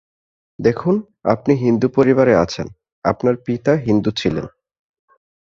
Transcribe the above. দেখুন, আপনি হিন্দুপরিবারে আছেন, আপনার পিতা হিন্দু ছিলেন।